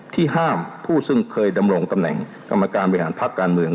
ห้ามผู้ซึ่งเคยดำรงตำแหน่งกรรมการบริหารพักการเมือง